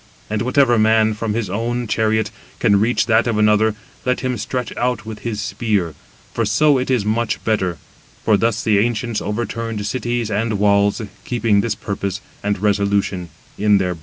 And whatever man, from his own chariot, can reach that of another, let him stretch out with his spear; 184 for so it is much better: for thus the ancients overturned cities and walls, keeping this purpose and resolution in their breasts."